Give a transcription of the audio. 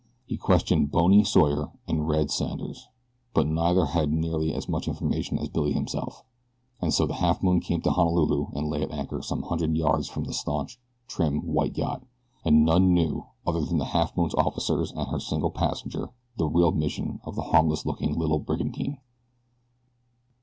He questioned "Bony" Sawyer and "Red" Sanders, but neither had nearly as much information as Billy himself, and so the Halfmoon came to Honolulu and lay at anchor some hundred yards from a stanch, trim, white yacht, and none knew, other than the Halfmoon's officers and her single passenger, the real mission of the harmless looking little brigantine.